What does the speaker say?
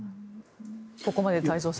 ここまでで太蔵さん。